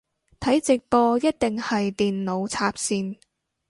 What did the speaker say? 睇直播一定係電腦插線